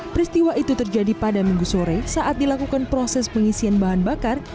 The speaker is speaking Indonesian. peristiwa itu terjadi pada minggu sore saat dilakukan proses pengisian bahan bakar